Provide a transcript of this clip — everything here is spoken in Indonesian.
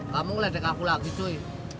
kamu ledek aku lagi suy